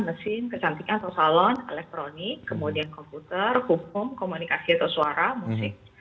mesin kecantikan atau salon elektronik kemudian komputer hukum komunikasi atau suara musik